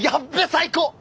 最高！